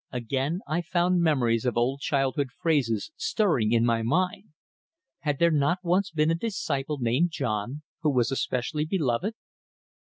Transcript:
Again I found memories of old childhood phrases stirring in my mind. Had there not once been a disciple named John, who was especially beloved?